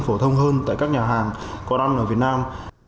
phổ thông hơn tại các nhà hàng có ăn ở việt nam